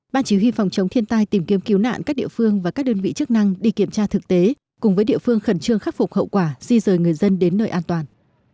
ban chỉ huy phòng chống thiên tai tìm kiếm cứu nạn các địa phương và các đơn vị chức năng đi kiểm tra thực tế cùng với địa phương khẩn trương khắc phục hậu quả di rời người dân đến nơi an toàn